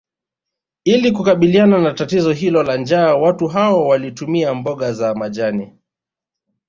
Ili kukabiliana na tatizo hilo la njaa watu hao walitumia mboga za majani